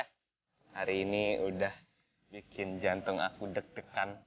hari ini udah bikin jantung aku deg degan